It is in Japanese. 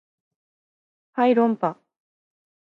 はい論破